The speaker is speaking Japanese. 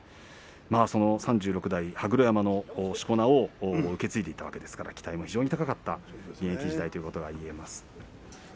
３６代羽黒山のしこ名を受け継いでいたわけですから期待が非常に高かった現役時代ということがいえます。